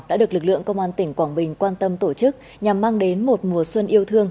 đã được lực lượng công an tỉnh quảng bình quan tâm tổ chức nhằm mang đến một mùa xuân yêu thương